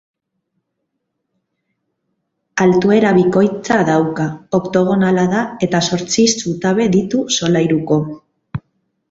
Altuera bikoitza dauka, oktogonala da eta zortzi zutabe ditu solairuko.